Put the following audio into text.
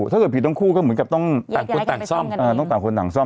ถ้าเกิดผิดทั้งคู่ก็เหมือนกับต้องต่างคนต่างซ่อมต้องต่างคนต่างซ่อม